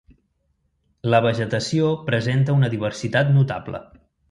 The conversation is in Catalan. La vegetació presenta una diversitat notable.